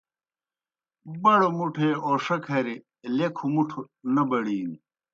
بڑوْ مُٹھے اَوݜہ کھری لیکھوْ مُٹھوْ نہ بڑِینوْ۔